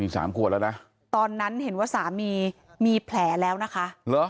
สามขวบแล้วนะตอนนั้นเห็นว่าสามีมีแผลแล้วนะคะเหรอ